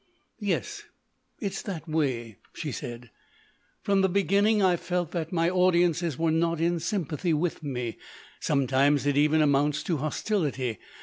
"Yes, it's that way," she said. "From the beginning I felt that my audiences were not in sympathy with me. Sometimes it even amounts to hostility.